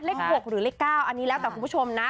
เลข๖หรือเลข๙อันนี้แล้วแต่คุณผู้ชมนะ